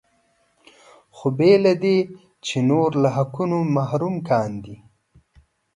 خو بې له دې چې نور له حقونو محروم کاندي.